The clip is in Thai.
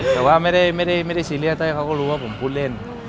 แต่ว่าไม่ได้ซีเรียสเต้ยเขาก็รู้ว่าผมพูดเล่น